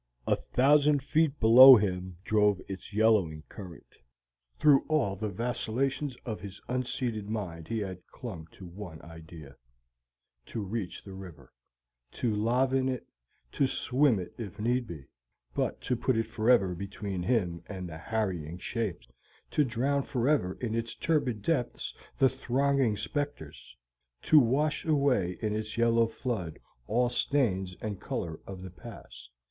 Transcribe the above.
A thousand feet below him drove its yellowing current. Through all the vacillations of his unseated mind he had clung to one idea, to reach the river, to lave in it, to swim it if need be, but to put it forever between him and the harrying shapes, to drown forever in its turbid depths the thronging spectres, to wash away in its yellow flood all stains and color of the past.